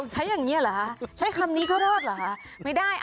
ใช้อย่างนี้เหรอคะใช้คำนี้ก็รอดเหรอคะไม่ได้